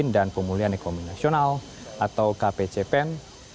dan pemulihan ekomunis nasional atau kpcpn